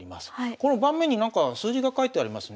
この盤面になんか数字が書いてありますね。